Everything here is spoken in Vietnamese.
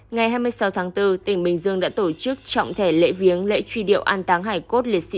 ngày hai mươi sáu tháng bốn tỉnh bình dương đã tổ chức trọng thể lễ viếng lễ truy điệu an táng hải cốt liệt sĩ